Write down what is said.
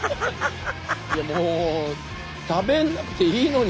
もう食べなくていいのに。